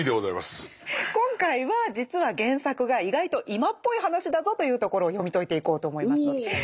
今回は実は原作が意外と今っぽい話だぞというところを読み解いていこうと思います。